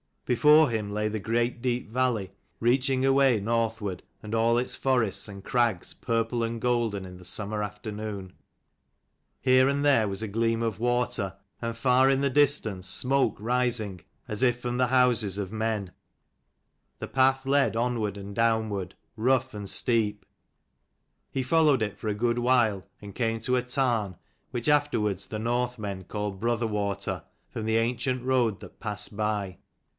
Before him lay the great deep valley, reaching away northward, and all its forests and crags purple and golden in the summer afternoon. Here and there was a gleam of water ; and far in the distance, smoke rising as if from the houses LL 28l of men. The path led onward and downward, rough and steep. He followed it for a good while, and came to a tarn which afterwards the Northmen called Brotherwater, from the ancient road that passed by.